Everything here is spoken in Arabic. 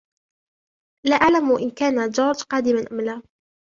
لا أعلم إن كان جورج قادما أم لا.